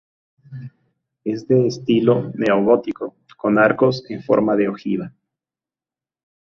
Es de estilo neogótico, con arcos en forma de ojiva.